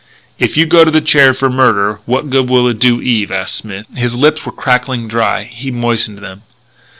"If you go to the chair for murder, what good will it do Eve?" asked Smith. His lips were crackling dry; he moistened them.